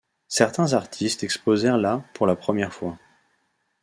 Certains artistes exposèrent là pour la première fois.